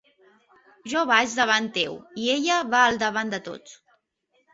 Jo vaig davant teu, i ella va al davant de tots.